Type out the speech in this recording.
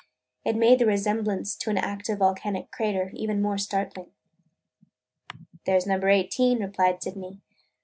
It made the resemblance to an active volcanic crater even more startling. "There 's Number Eighteen," replied Sydney.